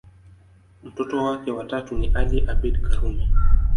Mtoto wake wa tatu ni Ali Abeid Karume